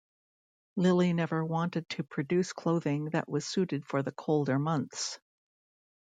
Lilly never wanted to produce clothing that was suited for the colder months.